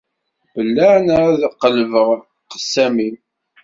belleɛ neɣ ad qelbeɣ qessam-im.